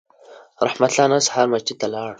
رحمت الله نن سهار مسجد ته لاړ